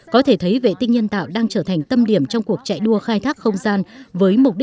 có thể thấy vệ tinh nhân tạo đang trở thành tâm điểm trong cuộc đời